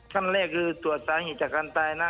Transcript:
ขั้นแรกคือตรวจสาเหตุจากการตายนะ